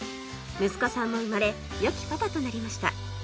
息子さんも生まれ良きパパとなりました